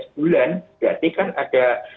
dua belas bulan berarti kan ada